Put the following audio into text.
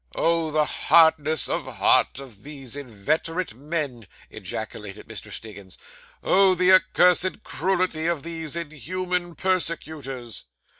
'Oh, the hardness of heart of these inveterate men!' ejaculated Mr. Stiggins. 'Oh, the accursed cruelty of these inhuman persecutors!